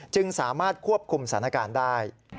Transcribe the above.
จึงสามารถควบคุมสถานการณ์ได้